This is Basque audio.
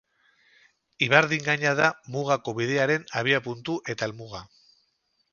Ibardin gaina da Mugako Bidearen abiapuntu eta helmuga.